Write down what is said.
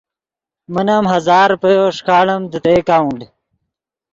من ام ہزار روپیو ݰیکاڑیم دے تے اکاؤنٹ۔